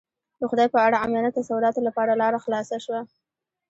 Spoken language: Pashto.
د خدای په اړه عامیانه تصوراتو لپاره لاره خلاصه شوه.